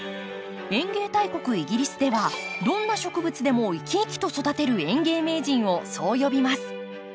園芸大国イギリスではどんな植物でも生き生きと育てる園芸名人をそう呼びます。